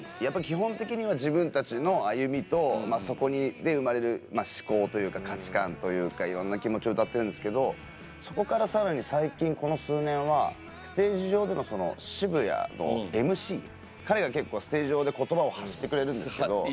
やっぱ基本的には自分たちの歩みとそこに生まれる思考というか価値観というかいろんな気持ちを歌ってるんですけどそこからさらに最近この数年はステージ上でのその彼が結構ステージ上で言葉を発してくれるんですけど。